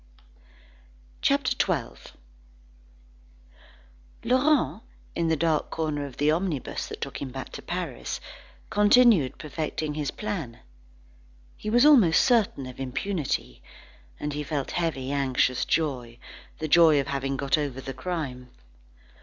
CHAPTER XII Laurent, in the dark corner of the omnibus that took him back to Paris, continued perfecting his plan. He was almost certain of impunity, and he felt heavy, anxious joy, the joy of having got over the crime.